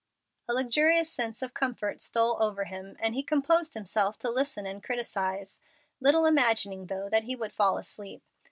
A luxurious sense of comfort stole over him, and he composed himself to listen and criticise, little imagining, though, that he would fall asleep.